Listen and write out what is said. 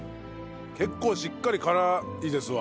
結構しっかり辛いですわ。